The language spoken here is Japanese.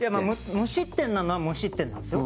無失点なのは無失点なんですよ。